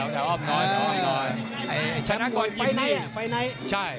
แถวนั้นน่ะนะ